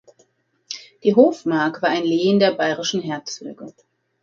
Die Hofmark war ein Lehen der bayerischen Herzöge.